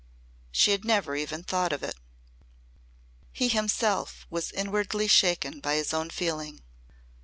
She had never even thought of it. He himself was inwardly shaken by his own feeling.